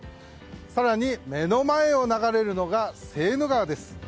更に、目の前を流れるのがセーヌ川です。